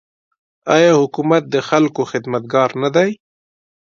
آیا حکومت د خلکو خدمتګار نه دی؟